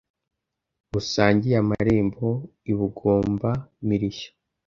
Rusangiye amarembo i Bugombamirishyo